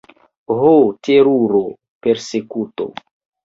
ho, teruro: persekuto!